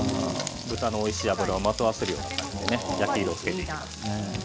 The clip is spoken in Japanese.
豚のおいしい脂をまとわせる感じで焼き色をつけていきます。